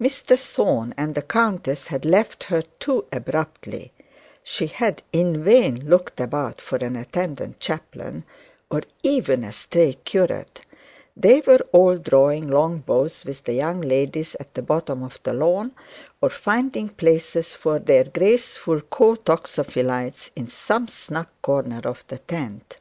Mr Thorne and the countess had left her too abruptly; she had in vain looked about for an attendant chaplain, or even a stray curate; they were all drawing long bows with the young ladies at the bottom of the lawn, or finding places for their graceful co toxophilites in some snug corner of the tent.